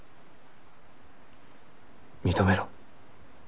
認めろ。